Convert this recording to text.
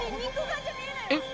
えっ？